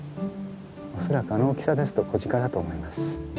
恐らくあの大きさですと子ジカだと思います。